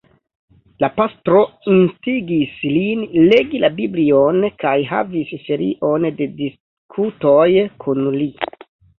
La pastro instigis lin legi la Biblion kaj havis serion de diskutoj kun li.